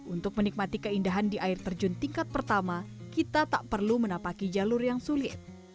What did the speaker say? untuk menikmati keindahan di air terjun tingkat pertama kita tak perlu menapaki jalur yang sulit